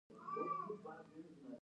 خولۍ د دعا وخت کې سر ته کېږي.